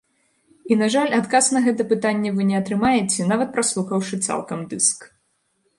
І, на жаль, адказ на гэта пытанне вы не атрымаеце нават праслухаўшы цалкам дыск.